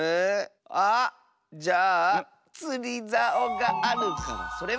あじゃあつりざおがあるからそれは？